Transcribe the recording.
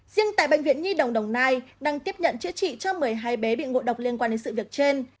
riêng tại bệnh viện nhi đồng đồng nai đang tiếp nhận chữa trị cho một mươi hai bé bị ngộ độc liên quan đến sự việc trên